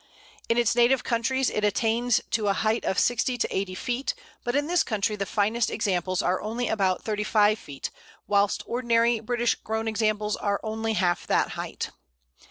In its native countries it attains a height of sixty to eighty feet, but in this country the finest examples are only about thirty five feet, whilst ordinary British grown examples are only half that height.